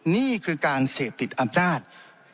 นี่คือการเสพติดอำนาจ